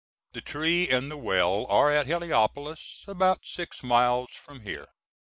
The tree and the well are at Heliopolis, about six miles from here.